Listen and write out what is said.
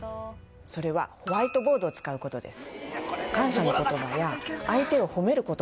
それはホワイトボードを使うことです